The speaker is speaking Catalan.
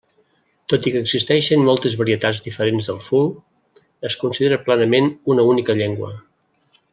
Tot i que existeixen moltes varietats diferents del ful, es considera plenament una única llengua.